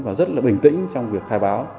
và rất là bình tĩnh trong việc khai báo